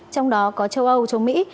trong đó có châu âu châu mỹ